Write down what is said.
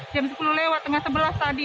jam sepuluh lewat tengah sebelas tadi